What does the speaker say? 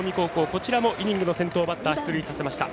こちらもイニングの先頭バッター出塁させました。